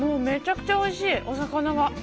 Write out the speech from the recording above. めちゃくちゃおいしいお魚が。